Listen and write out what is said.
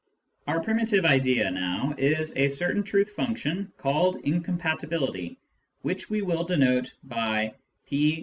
Our primitive idea, now, is a certain truth function called " incompatibility," which we will denote by p/q.